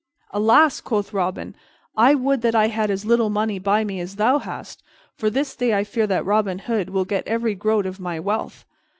"Alas!" quoth Robin, "I would that I had as little money by me as thou hast, for this day I fear that Robin Hood will get every groat of my wealth."